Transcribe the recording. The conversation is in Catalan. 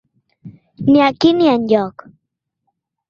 Ni aquí ni enlloc.